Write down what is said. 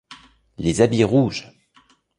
Les habits rouges !